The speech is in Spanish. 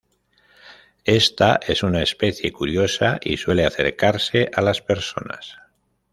Ésta es una especie curiosa y suele acercarse a las personas.